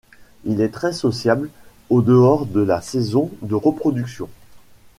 Il est très sociable en dehors de la saison de reproduction.